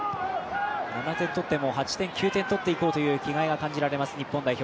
７点取っても８点、９点取っていこうという気概が感じられます、日本代表。